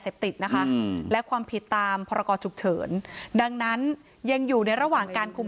ติดนะคะและความผิดตามพรกรฉุกเฉินดังนั้นยังอยู่ในระหว่างการคุม